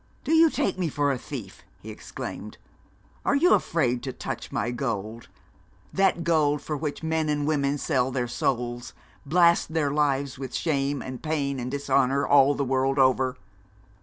'Do you take me for a thief?' he exclaimed. 'Are you afraid to touch my gold that gold for which men and women sell their souls, blast their lives with shame, and pain, and dishonour, all the world over?